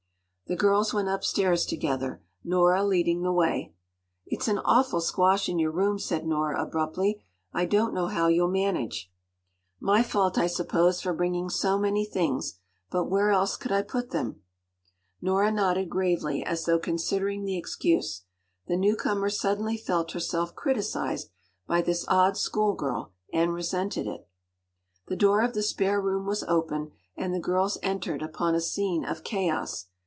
” The girls went upstairs together, Nora leading the way. “It’s an awful squash in your room,” said Nora abruptly. “I don’t know how you’ll manage.” “My fault, I suppose, for bringing so many things! But where else could I put them?” Nora nodded gravely, as though considering the excuse. The newcomer suddenly felt herself criticised by this odd schoolgirl and resented it. The door of the spare room was open, and the girls entered upon a scene of chaos.